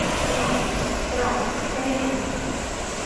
ถนอมกล่อมเกลี้ยง